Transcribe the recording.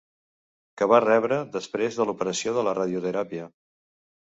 Que va rebre després de l'operació de la radioteràpia.